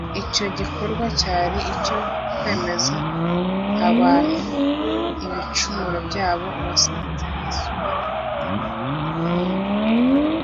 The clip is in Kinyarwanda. icyo gikorwa cyari icyo kweza abantu ibicumuro byabo. Uwasanze Yesu yari afite ibibembe.